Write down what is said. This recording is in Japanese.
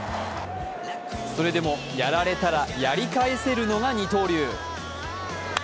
それでもやられたらやり返せるのが二刀流。